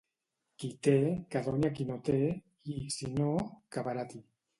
Qui té, que doni a qui no té; i, si no, que barati.